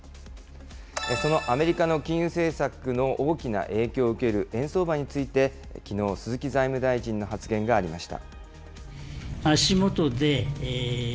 そのアメリカの金融政策の大きな影響を受ける円相場について、きのう鈴木財務大臣の発言がありました。